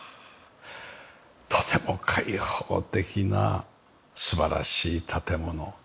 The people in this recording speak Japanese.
とても開放的な素晴らしい建物。